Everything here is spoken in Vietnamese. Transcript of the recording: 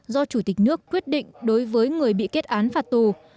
do chủ tịch nước quyết định đối với người bị kết án phạt tù